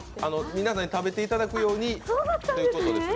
皆さんに食べていただくようにということです。